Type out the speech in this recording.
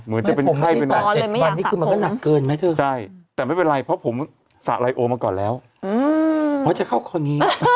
เหมือนจะเป็นไข้เนื้อเจ็ดเรือน